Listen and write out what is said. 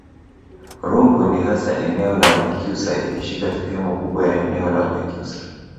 Rungwe ni hasa eneo la Wanyakyusa ikishika sehemu kubwa ya eneo la Unyakyusa